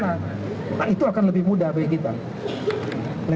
nah itu akan lebih mudah bagi kita